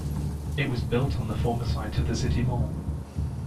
It was built on the former site of the City Mall.